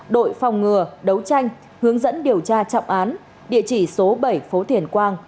đội phòng ngừa đấu tranh hướng dẫn điều tra trọng án địa chỉ số bảy phố thiền quang